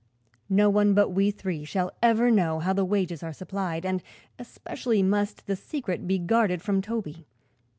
No one but we three shall ever know how the wages are supplied, and especially must the secret be guarded from Toby.